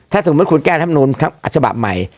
ถ้าสมมติคุณแก้รัฐมนูนทั้งฉบับใหม่